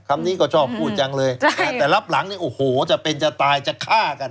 คำนี้ก็ชอบพูดจังเลยแต่รับหลังเนี่ยโอ้โหจะเป็นจะตายจะฆ่ากัน